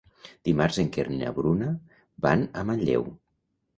Dimarts en Quer i na Bruna van a Manlleu.